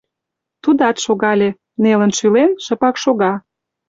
Тудат шогале, нелын шӱлен, шыпак шога.